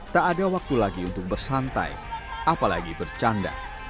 tak ada waktu lagi untuk bersantai apalagi bercanda